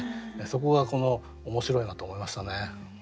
そこが面白いなと思いましたね。